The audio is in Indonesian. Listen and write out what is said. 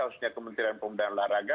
khususnya kementerian pemuda ularaga